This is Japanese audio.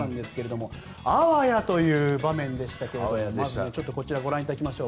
あわやという場面でしたけれどもこちらご覧いただきましょう。